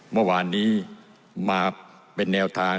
เมื่อวานนี้มาเป็นแนวทาง